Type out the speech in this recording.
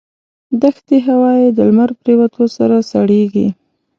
دښتي هوا یې د لمر پرېوتو سره سړېږي.